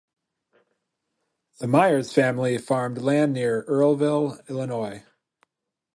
The Myers family farmed land near Earlville, Illinois.